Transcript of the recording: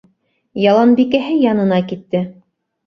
— Яланбикәһе янына китте.